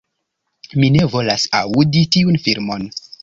"Mi ne volas aŭdi tiun filmon!"